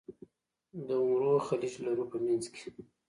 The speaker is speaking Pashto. د عمرو خلیج لرو په منځ کې.